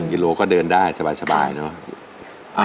กิโลก็เดินได้สบายเนอะ